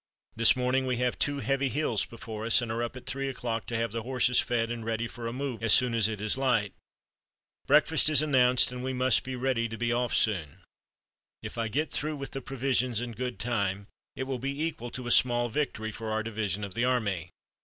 This morning we have two heavy hills before us, and are up at three o'clock to have the horses fed and ready for a move as soon as it is light. Breakfast is announced and we must be ready to be off soon. If I get through with the provisions in good time it will be equal to a small victory for our division of the army.